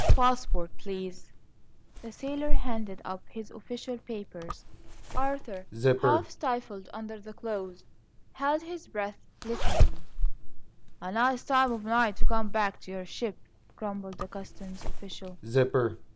"Passports, please." The sailor handed up his official papers. Arthur, half stifled under the clothes, held his breath, listening. "A nice time of night to come back to your ship!" grumbled the customs official.